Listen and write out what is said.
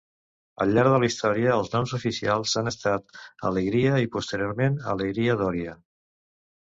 Al llarg de la història els noms oficials han estat Alegria i posteriorment, Alegria d'Oria.